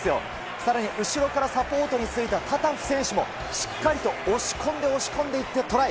さらに後ろからサポートについた選手もしっかりと、押し込んで押し込んでいってトライ。